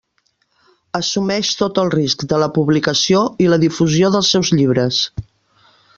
Assumeix tot el risc de la publicació i la difusió dels seus llibres.